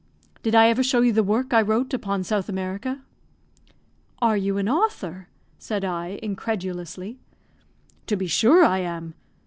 Did I ever show you the work I wrote upon South America?" "Are you an author," said I, incredulously. "To be sure I am.